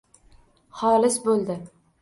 Xolis bo’ldi